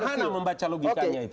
kan sederhana membaca logikanya itu